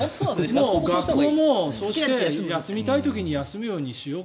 学校もそうして休みたい時に休むようにしようか。